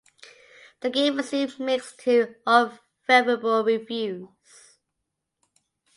The game received mixed to unfavorable reviews.